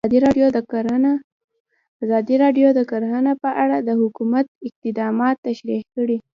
ازادي راډیو د کرهنه په اړه د حکومت اقدامات تشریح کړي.